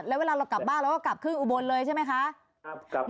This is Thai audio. แล้วเวลาเรากลับบ้านเราก็กลับขึ้นอุบลเลยใช่ไหมคะ